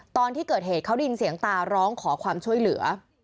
ตอนที่เกิดเหตุเขาได้ยินเสียงตาร้องขอความช่วยเหลือ